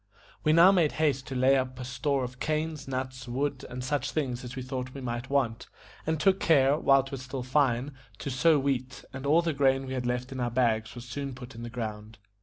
We now made haste to lay up a store of canes, nuts, wood, and such things as we thought we might want; and took care, while it was still fine, to sow wheat, and all the grain we had left in our bags was soon put in the ground.